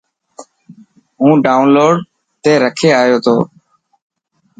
هون ڊائون لوڊ تي رکي آيو تو.